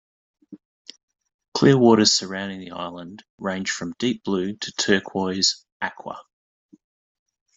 Clear waters surrounding the island range from deep blue to turquoise aqua.